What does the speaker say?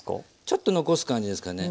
ちょっと残す感じですかね。